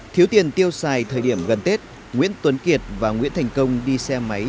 thiếu tiền tiêu xài thời điểm gần tết nguyễn tuấn kiệt và nguyễn thành công đi xe máy